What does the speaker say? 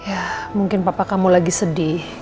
ya mungkin papa kamu lagi sedih